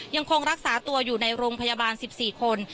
ยังคงรักษาตัวอยู่ในโรงพยาบาล๑๔คน